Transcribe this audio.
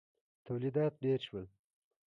تولیدات ډېر شول.